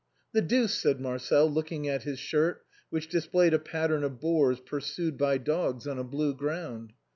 " The deuce," said Marcel, looking at his shirt, which displayed a pattern of boars pursued by dogs, on a blue ground.